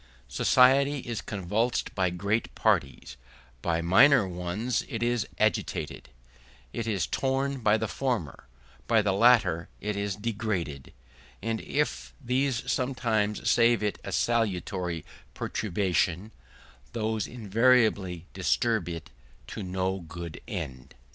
Society is convulsed by great parties, by minor ones it is agitated; it is torn by the former, by the latter it is degraded; and if these sometimes save it by a salutary perturbation, those invariably disturb it to no good end.